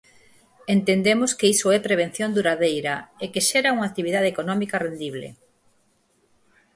Entendemos que iso é prevención duradeira e que xera unha actividade económica rendible.